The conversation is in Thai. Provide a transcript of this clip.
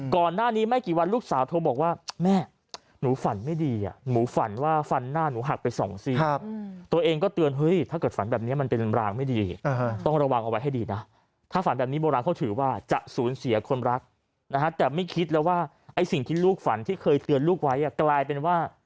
ก่อนหน้านี้ไม่กี่วันลูกสาวโทรบอกว่าแม่หนูฝันไม่ดีหนูฝันว่าฟันหน้าหนูหักไปสองซี่ตัวเองก็เตือนเฮ้ยถ้าเกิดฝันแบบนี้มันเป็นรางไม่ดีต้องระวังเอาไว้ให้ดีนะถ้าฝันแบบนี้โบราณเขาถือว่าจะสูญเสียคนรักนะฮะแต่ไม่คิดแล้วว่าไอ้สิ่งที่ลูกฝันที่เคยเตือนลูกไว้กลายเป็นว่า